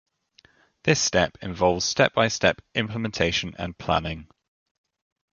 This step involves step-by-step implementation and planning.